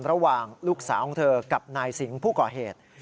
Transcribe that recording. ระหว่างลูกสาวของเธอกับนายสิงห์ผู้ก่อเหตุ